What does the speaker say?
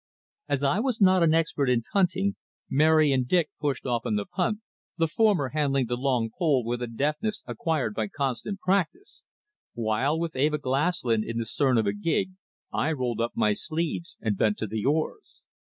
As I was not an expert in punting, Mary and Dick pushed off in the punt, the former handling the long pole with a deftness acquired by constant practice, while, with Eva Glaslyn in the stern of a gig, I rolled up my sleeves and bent to the oars.